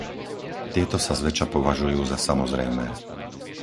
Tieto sa zväčša považujú za samozrejmé.